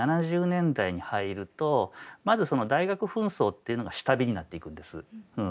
７０年代に入るとまずその大学紛争っていうのが下火になっていくんです。